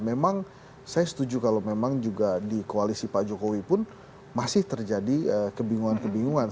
memang saya setuju kalau memang juga di koalisi pak jokowi pun masih terjadi kebingungan kebingungan